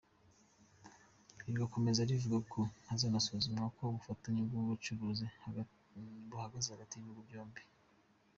Rikomeza rivuga ko hazanasuzumwa uko ubufatanye mu by’ubucuruzi buhagaze hagati y’ibihugu byombi.